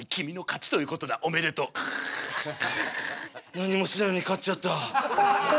何もしないのに勝っちゃった。